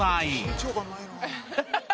「緊張感ないな」